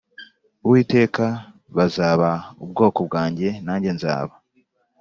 Uwiteka bazaba ubwoko bwanjye nanjye nzaba